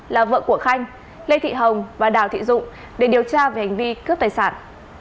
là vợ của khanh lê thị hồng và đào thị dụng để điều tra về hành vi cướp tài sản